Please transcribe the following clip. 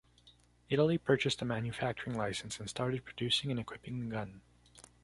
Italy purchased a manufacturing license and started producing and equipping the gun.